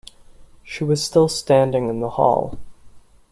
She was still standing in the hall.